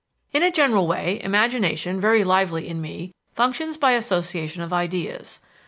"In a general way, imagination, very lively in me, functions by association of ideas.